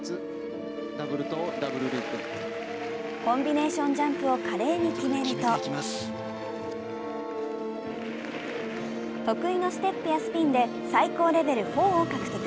コンビネーションジャンプを華麗に決めると得意のステップやスピンで最高レベル４を獲得。